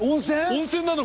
温泉なの？